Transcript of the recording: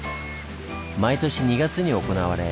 毎年２月に行われ